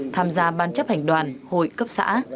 tham gia ban chấp hành đoàn hội cấp xã